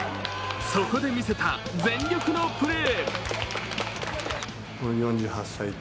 そこで見せた全力のプレー。